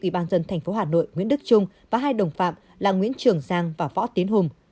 ubnd tp hà nội nguyễn đức trung và hai đồng phạm là nguyễn trường giang và võ tiến hùng